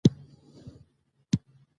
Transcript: زه ده یون سره مل یم